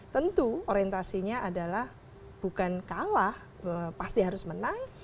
tentu orientasinya adalah bukan kalah pasti harus menang